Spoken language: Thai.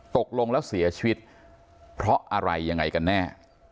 ตกลงแล้วเสียชีวิตเพราะอะไรยังไงกันแน่